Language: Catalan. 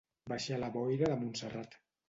Baixar la boira de Montserrat.